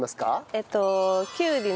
えっと。